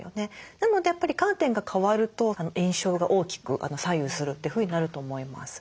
なのでやっぱりカーテンが変わると印象が大きく左右するというふうになると思います。